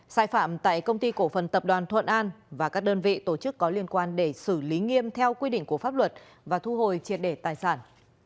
sai phạm tại công ty cổ phần tập đoàn thuận an và các đơn vị tổ chức có liên quan để xử lý nghiêm theo quy định của pháp luật và thu hồi triệt để tài sản